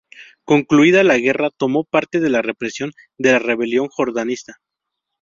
Concluida la guerra tomó parte de la represión de la rebelión jordanista.